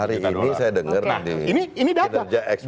hari ini saya denger nah ini data